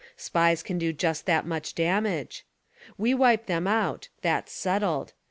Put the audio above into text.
Spies can do just that much damage. We wipe them out: Tthat's settled.